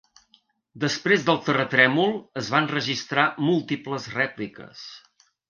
Després del terratrèmol es van registrar múltiples rèpliques.